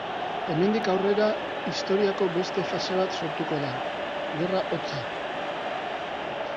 Hemendik aurrera, historiako beste fase bat sortuko da: Gerra Hotza.